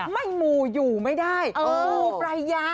ไม่หมู่อยู่ไม่ได้หมู่ปรายยา